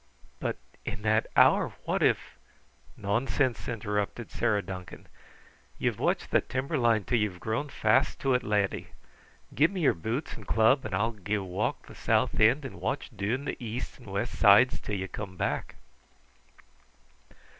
"But in that hour, what if ?" "Nonsense!" interrupted Sarah Duncan. "Ye've watched that timber line until ye're grown fast to it, lad. Give me your boots and club and I'll gae walk the south end and watch doon the east and west sides until ye come back."